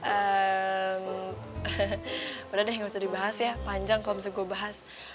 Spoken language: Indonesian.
ehm udah deh gak usah dibahas ya panjang kalo bisa gue bahas